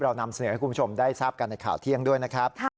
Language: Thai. นำเสนอให้คุณผู้ชมได้ทราบกันในข่าวเที่ยงด้วยนะครับ